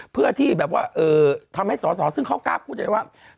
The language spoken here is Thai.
เพื่อที่แบบว่าเออทำให้สสซึ่งเขากล้าพูดอย่างนี้ว่า